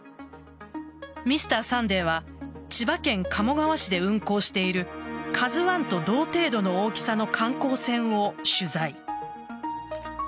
「Ｍｒ．サンデー」は千葉県鴨川市で運航している「ＫＡＺＵ１」と同程度の大きさの観光船を取材。